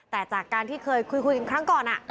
แต่จากการที่เคยคุยกันครั้งก่อน